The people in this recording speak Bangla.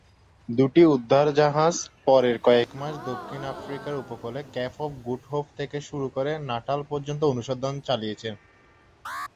দুটি উদ্ধার জাহাজ পরের কয়েক মাস দক্ষিণ আফ্রিকার উপকূলের কেপ অফ গুড হোপ থেকে শুরু করে নাটাল পর্যন্ত অনুসন্ধান চালিয়েছে।